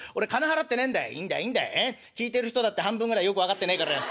聴いてる人だって半分ぐらいよく分かってねえからよ。